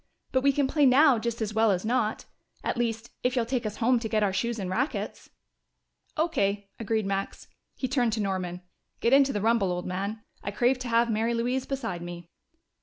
"But we can play now just as well as not at least, if you'll take us home to get our shoes and rackets." "O.K.," agreed Max. He turned to Norman. "Get into the rumble, old man. I crave to have Mary Louise beside me."